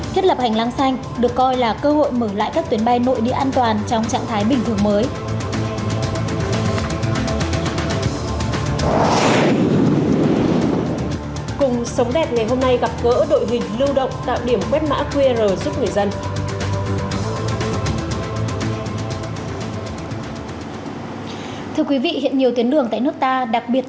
thiết lập hành lang xanh được coi là cơ hội mở lại các tuyến bay nội điện an toàn trong trạng thái bình thường mới